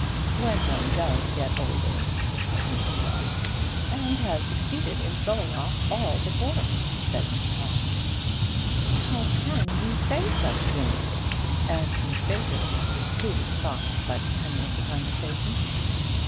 "When one does get older," said Mr Rubb. "And has succeeded in throwing off all decorum," said Miss Todd. "How can you say such things?" asked Miss Baker, who was shocked by the tenor of the conversation.